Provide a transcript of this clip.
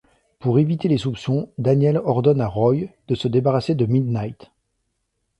Pour éviter les soupçons, Daniel ordonne à Roy de se débarrasser de Midnight.